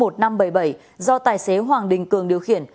do tài xế hoàng đình cường điều khiển